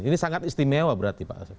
ini sangat istimewa berarti pak asep